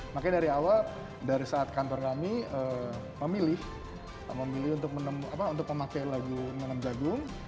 makanya dari awal dari saat kantor kami memilih untuk memakai lagu nanam jagung